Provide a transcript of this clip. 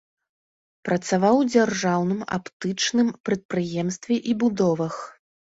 Працаваў у дзяржаўным аптычным прадпрыемстве і будовах.